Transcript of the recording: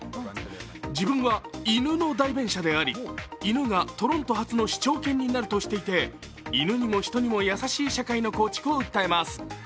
自分は犬の代弁者であり、犬がトロント初の市長犬になるとしていて犬にも人にも優しい社会の構築を訴えます。